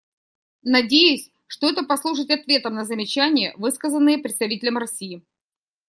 Надеюсь, что это послужит ответом на замечания, высказанные представителем России.